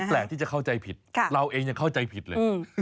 แปลกที่จะเข้าใจผิดเราเองยังเข้าใจผิดเลย